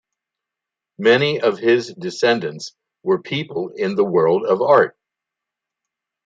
Many of his descendants were people in the world of art.